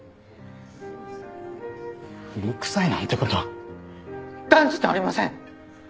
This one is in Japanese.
古くさいなんてこと断じてありません！